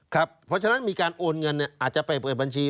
ครับเพราะฉะนั้นมีการโอนเงินเนี่ยะอาจจะไปเปิดบัญชี